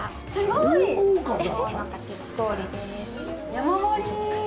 山盛り。